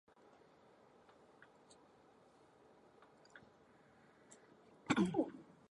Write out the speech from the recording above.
If one was overtaken, he and his companion were condemned to "hell".